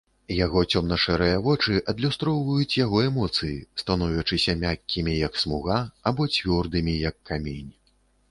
Яго цёмна-шэрыя вочы адлюстроўваюць яго эмоцыі, становячыся мяккімі, як смуга, або цвёрдымі, як камень.